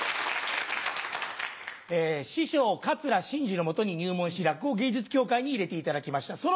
師匠、桂伸治の下に入門し、落語芸術協会に入れていただきました。